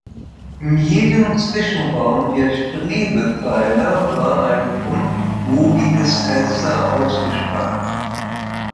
In jedem Zwischenraum der Strebepfeiler war ein rundbogiges Fenster ausgespart.